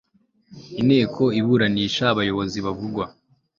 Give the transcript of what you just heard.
Inteko iburanisha abayobozi bavugwa